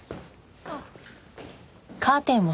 あっ。